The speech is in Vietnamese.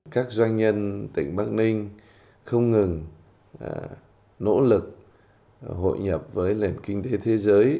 các doanh nhân tỉnh bắc ninh không ngừng nỗ lực hội nhập với lệnh kinh tế thế giới